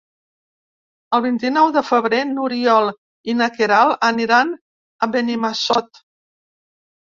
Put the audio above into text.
El vint-i-nou de febrer n'Oriol i na Queralt aniran a Benimassot.